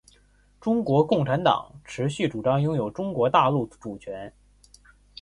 中国共产党持续主张拥有中国大陆主权。